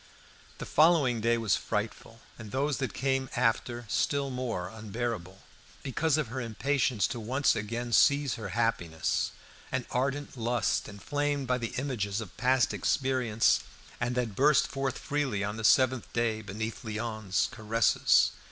The following day was frightful, and those that came after still more unbearable, because of her impatience to once again seize her happiness; an ardent lust, inflamed by the images of past experience, and that burst forth freely on the seventh day beneath Léon's caresses.